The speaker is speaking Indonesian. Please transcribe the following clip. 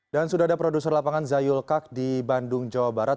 dan sudah ada produser lapangan zayul kak di bandung jawa barat